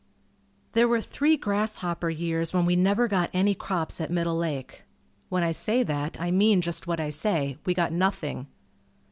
There were three grasshopper years when we never got any crops at Middle Lake. When I say that, I mean just what I say; we got nothing.